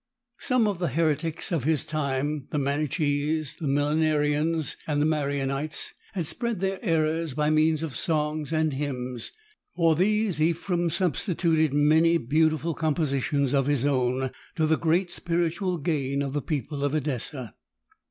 Some of the heretics of his time, the Manichees, the Millenarians, and the Marionites, had spread their errors by means of songs and hymns; for these Ephrem substituted many beautiful compositions of his own — ^to the great spiritual gain of the people of Edessa.